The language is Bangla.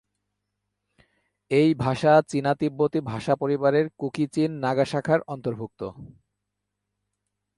এই ভাষা চীনা-তিব্বতি ভাষা পরিবারের কুকি-চিন-নাগা শাখার অন্তর্ভুক্ত।